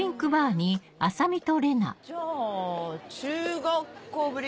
じゃあ中学校ぶり？